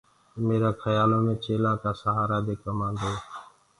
ميرآ کيآلو مي چيلآن ڪآ سهآرآ دي ڪمآندوئي